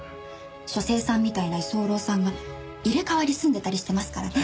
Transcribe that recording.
書生さんみたいな居候さんが入れ替わり住んでたりしてますからね。